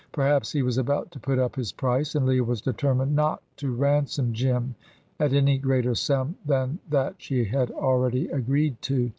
Perhaps he was about to put up his price, and Leah was determined not to ransom Jim at any greater sum than that she had already agreed to.